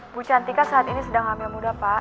bu cantika saat ini sedang hamil muda pak